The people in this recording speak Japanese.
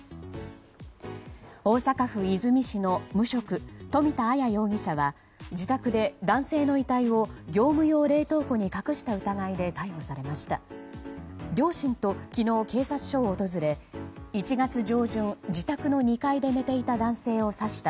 大阪府和泉市の無職富田あや容疑者は自宅で男性の遺体を業務用冷凍庫に隠した疑いで逮捕されました。